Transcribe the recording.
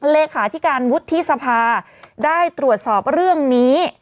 เลขาธิการวุฒิสภาได้ตรวจสอบเรื่องนี้